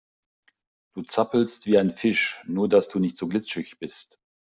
Du zappelst wie ein Fisch, nur dass du nicht so glitschig bist.